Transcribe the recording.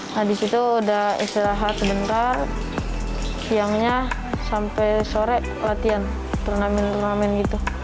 nah disitu udah istirahat sebentar siangnya sampai sore latihan turnamen turnamen gitu